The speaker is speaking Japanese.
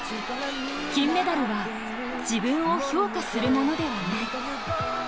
金メダルは、自分を評価するものではない。